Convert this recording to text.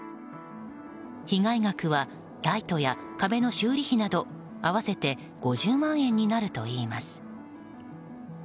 被害額はライトや壁の修理費など合わせて５０万円になるといいます。